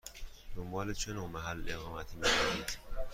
دنبال چه نوع محل اقامتی می گردید؟